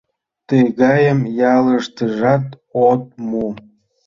Тыгайым ялыштыжат от му.